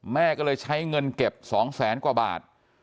แม่ก็เลยใช้เงินเก็บ๒แสนกว่าบาท